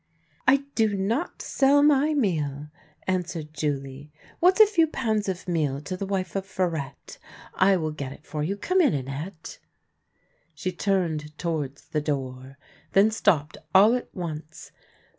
" I do not sell my meal," answered Julie. " What's a few pounds of meal to the wife of Farette ? I will get it for you. Come in, Annette." She turned towards the door, then stopped all at once.